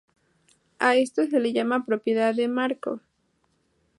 A esto se le llama propiedad de Márkov.